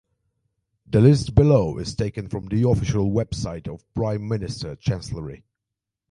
The list below is taken from the official website of Prime Minister's Chancellery.